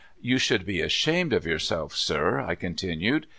*' You should be ashamed of 3^ourself, sir," I continued.